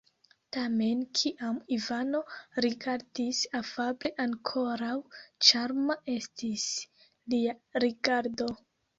Tamen, kiam Ivano rigardis afable, ankoraŭ ĉarma estis lia rigardo.